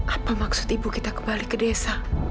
apa maksud ibu kita kembali ke desa